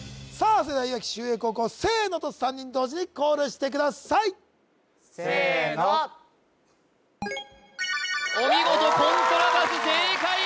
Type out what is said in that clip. それではいわき秀英高校「せーの」と３人同時にコールしてくださいせーのお見事コントラバス正解！